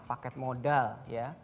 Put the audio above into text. paket modal ya